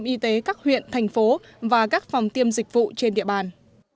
y tế các huyện thành phố và các phòng tiêm dịch vụ trên địa bàn